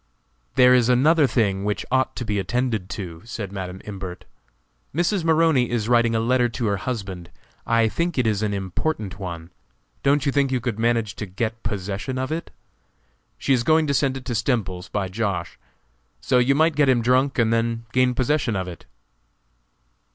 "There is another thing which ought to be attended to," said Madam Imbert. "Mrs. Maroney is writing a letter to her husband; I think it is an important one. Don't you think you could manage to get possession of it? She is going to send it to Stemples's by Josh., so you might get him drunk and then gain possession of it."